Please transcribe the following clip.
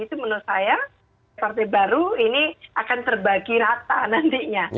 itu menurut saya partai baru ini akan terbagi rata nantinya